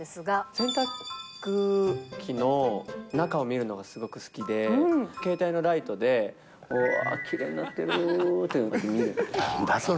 洗濯機の中を見るのがすごく好きで、携帯のライトで、うぉー、きれいになってるーって、見ると。